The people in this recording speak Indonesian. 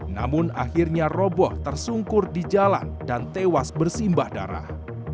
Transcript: namun akhirnya roboh tersungkur di jalan dan tewas bersimbah darah